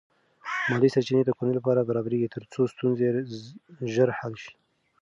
مالی سرچینې د کورنۍ لپاره برابرېږي ترڅو ستونزې ژر حل شي.